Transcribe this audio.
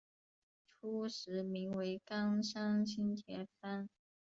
初时名为冈山新田藩。